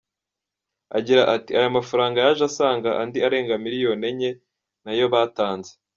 Agira ati “Aya mafaranga yaje asanga andi arenga miriyoni enye na yo batanze.